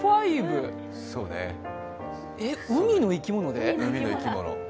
え、海の生き物で？